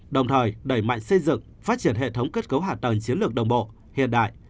đồng thời đẩy mạnh xây dựng phát triển hệ thống kết cấu hạ tầng chiến lược đồng bộ hiện đại